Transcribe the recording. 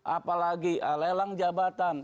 apalagi lelang jabatan